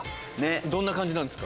どんな感じなんですか？